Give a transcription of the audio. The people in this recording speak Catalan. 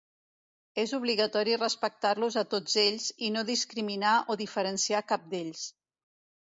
És obligatori respectar-los a tots ells, i no discriminar o diferenciar cap d'ells.